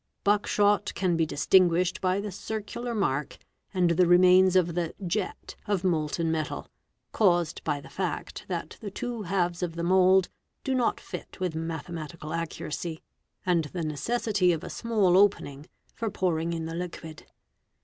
Buckshot can be distinguished by the circular mark and the remains of the "jet" of © molten metal, caused by the fact that the two halves of the mould do not fit with mathematical accuracy, and the necessity of a small opening for pouring in the liquid.